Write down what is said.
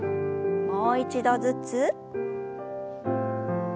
もう一度ずつ。